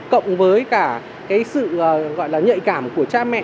cộng với cả cái sự gọi là nhạy cảm của cha mẹ